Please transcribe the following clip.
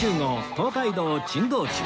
東海道珍道中